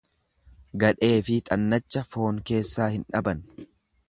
Gadheefi xannacha foon keessaa hin dhaban.